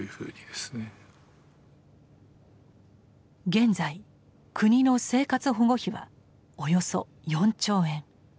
現在国の生活保護費はおよそ４兆円。